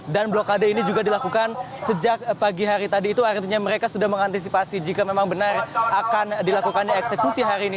dan blokade ini juga dilakukan sejak pagi hari tadi itu artinya mereka sudah mengantisipasi jika memang benar akan dilakukan eksekusi hari ini